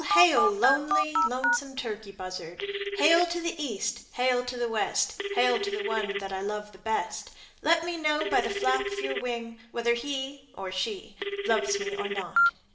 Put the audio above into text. Hail! Lonely, lonesome turkey buzzard: Hail to the East, hail to the West, Hail to the one that I love best. Let me know by the flap of your wing Whether he (or she) loves me or not.